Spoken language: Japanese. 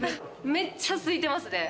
めっちゃすいてますね。